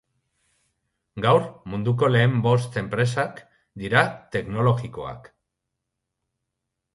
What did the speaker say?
Gaur munduko lehen bost enpresak dira teknologikoak.